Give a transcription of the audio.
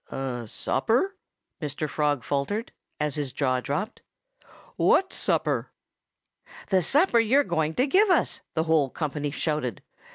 "Supper?" Mr. Frog faltered, as his jaw dropped. "What supper?" "The supper you're going to give us!" the whole company shouted.